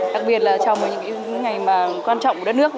đặc biệt là trong những ngày mà quan trọng của đất nước